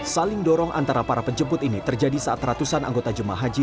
saling dorong antara para penjemput ini terjadi saat ratusan anggota jemaah haji